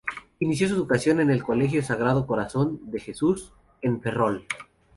Inició su educación en el colegio Sagrado Corazón de Jesús, en Ferrol.